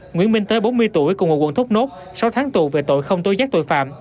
nguyễn minh tới bốn mươi tuổi cùng hồ quận thúc nốt sáu tháng tù về tội không tối giác tội phạm